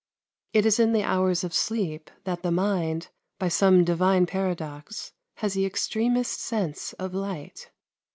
It is in the hours of sleep that the mind, by some divine paradox, has the extremest sense of light.